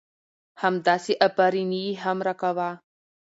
همداسې افرينى يې هم را کوه .